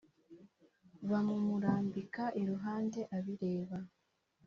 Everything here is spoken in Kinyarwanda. bamumurambika iruhande abireba